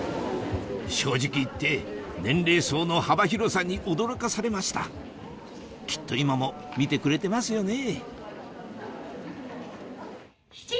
正直言って年齢層の幅広さに驚かされましたきっと今も見てくれてますよね